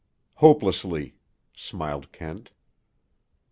"Hopelessly," smiled Kent.